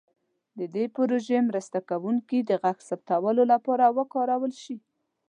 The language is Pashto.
د دې پروژې مرسته کوونکي د غږ ثبتولو لپاره وکارول شي.